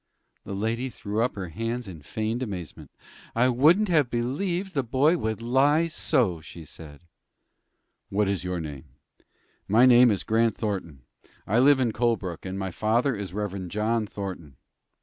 The lady threw up her hands in feigned amazement. "I wouldn't have believed the boy would lie so!" she said. "What is your name?" "My name is Grant Thornton. I live in Colebrook, and my father is Rev. John Thornton."